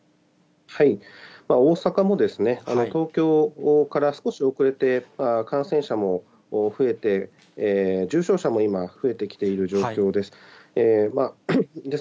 大阪も東京から少し遅れて感染者も増えて、重症者も今、増えてきている状況です。